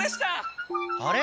あれ？